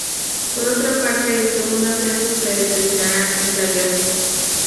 Por otra parte el segundo ascenso se determinará en playoff.